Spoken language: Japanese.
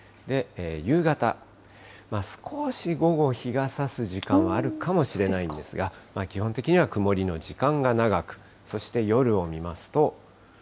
夕方、少し午後、日がさす時間はあるかもしれないんですが、基本的には曇りの時間雨が降りだすと。